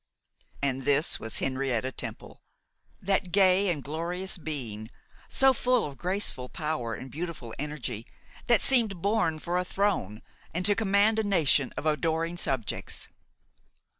And this was Henrietta Temple! That gay and glorious being, so full of graceful power and beautiful energy, that seemed born for a throne, and to command a nation of adoring subjects!